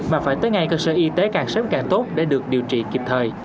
mà phải tới ngay cơ sở y tế càng sớm càng tốt để được điều trị kịp thời